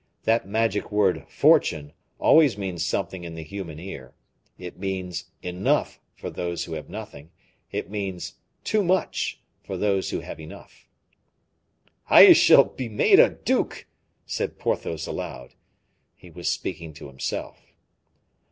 That magic word "fortune" always means something in the human ear. It means enough for those who have nothing; it means too much for those who have enough. "I shall be made a duke!" said Porthos, aloud. He was speaking to himself.